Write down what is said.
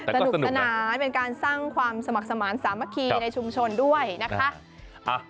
สนุกสนานเป็นการสร้างความสมัครสมาธิสามัคคีในชุมชนด้วยนะคะ